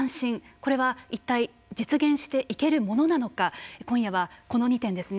これは実現していけるものなのか今夜はこの２点ですね